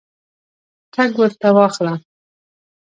ټګ ورته واخله.